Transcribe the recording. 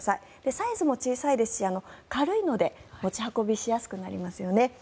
サイズも小さいですし軽いので持ち運びしやすくなりますよね。